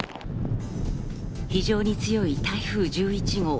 非常に強い台風１１号。